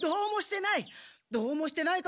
どうもしてない！